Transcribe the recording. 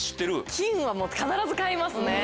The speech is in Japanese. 金は必ず買いますね。